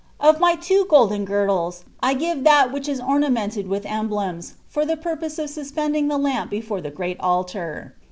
Of in* two golden girdles, 1 give that which is ornamented with cmblenu, Icir the purpose of suspending ilie lamp before the great altar.